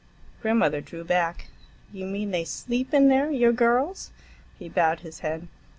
Grandmother drew back. "You mean they sleep in there,—your girls?" He bowed his head.